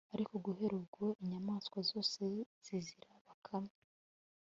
ariko guhera ubwo inyamaswa zose zizira bakame